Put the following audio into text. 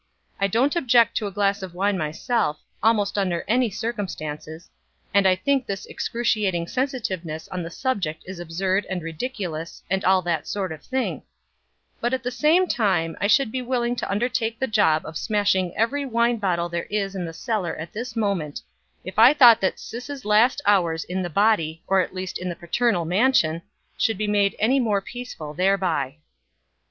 I don't object to a glass of wine myself, almost under any circumstances, and I think this excruciating sensitiveness on the subject is absurd and ridiculous, and all that sort of thing; but at the same time I should be willing to undertake the job of smashing every wine bottle there is in the cellar at this moment, if I thought that Sis' last hours in the body, or at least in the paternal mansion, would be made any more peaceful thereby."